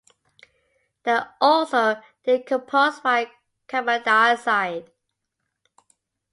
They are also decomposed by carbon dioxide.